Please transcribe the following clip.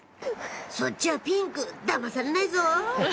「そっちはピンク！だまされないぞ」